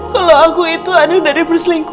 kalau aku itu anak dari perempuan aku